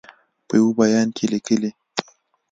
په یوه بیان کې لیکلي